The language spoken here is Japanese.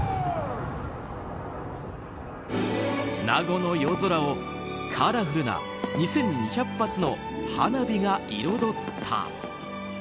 名護の夜空をカラフルな２２００発の花火が彩った。